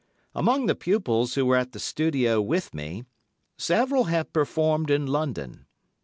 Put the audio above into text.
Among the pupils who were at the Studio with me, several have performed in London.